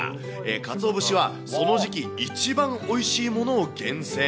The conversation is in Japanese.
かつお節はその時期一番おいしいものを厳選。